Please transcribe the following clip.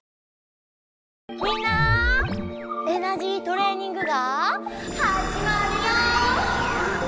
みんなエナジートレーニングがはじまるよ！